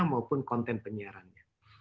maupun konten penyiarannya